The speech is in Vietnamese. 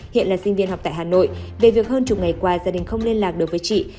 hiện là sinh viên học tại hà nội về việc hơn chục ngày qua gia đình không liên lạc được với chị